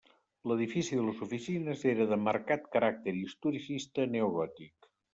L'edifici de les oficines era de marcat caràcter historicista neogòtic.